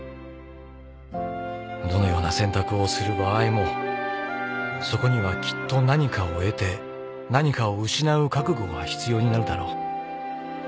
「どのような選択をする場合もそこにはきっと何かを得て何かを失う覚悟が必要になるだろう。